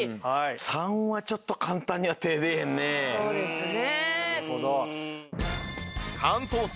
そうですね。